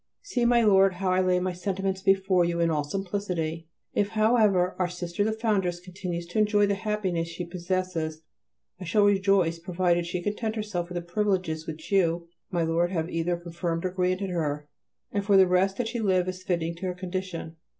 See, my Lord, how I lay my sentiments before you in all simplicity. If, however, our Sister the Foundress continues to enjoy the happiness she possesses I shall rejoice provided she content herself with the privileges which you, my Lord, have either confirmed or granted her, and for the rest that she live as is fitting to her condition.